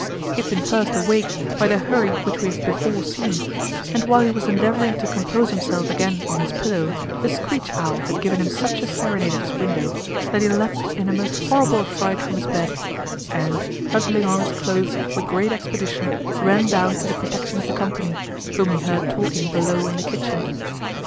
He had been first awaked by the hurry which we have before seen; and while he was endeavouring to compose himself again on his pillow, a screech owl had given him such a serenade at his window, that he leapt in a most horrible affright from his bed, and, huddling on his cloaths with great expedition, ran down to the protection of the company, whom he heard talking below in the kitchen.